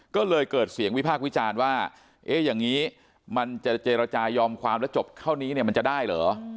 ก็เลยเกิดเสียงวิพากษ์วิจารณ์ว่าเอ๊ะอย่างนี้มันจะเจรจายอมความแล้วจบเท่านี้เนี่ยมันจะได้เหรอ